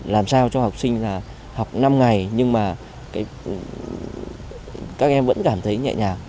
làm sao cho học sinh là học năm ngày nhưng mà các em vẫn cảm thấy nhẹ nhàng